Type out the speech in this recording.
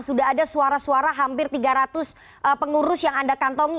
sudah ada suara suara hampir tiga ratus pengurus yang anda kantongi